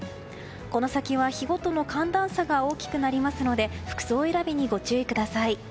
この先は、日ごとの寒暖差が大きくなりますので服装選びにご注意ください。